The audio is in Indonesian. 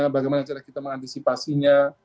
bagaimana cara kita mengantisipasinya